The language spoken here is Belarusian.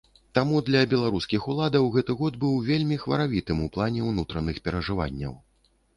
Таму для беларускіх уладаў гэты год быў вельмі хваравітым у плане ўнутраных перажыванняў.